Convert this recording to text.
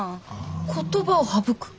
言葉を省く？